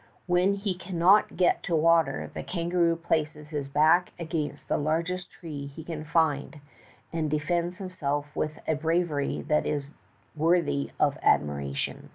When he cannot get to water, the kangaroo places his back against the largest tree he can find and defends himself with a bravery that is worthy of admiration.